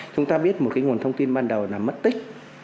chúng ta biết một cái nguồn thông tin ban đầu là mất tích